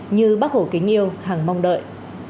như bác hổ kính yêu hàng mong đợi